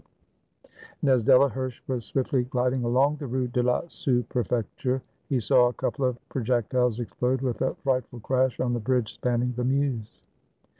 And, as Delaherche was swiftly gliding along the Rue de la Sous Prefecture, he saw a couple of projectiles ex plode, with a frightful crash, on the bridge spanning the Meuse.